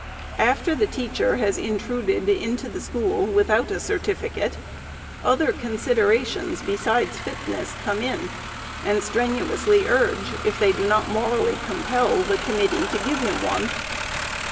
After the teacher has intruded into the school without a certificate, other considerations, besides fitness, come in, and strenuously urge, if they do not morally compel, the committee to give him one.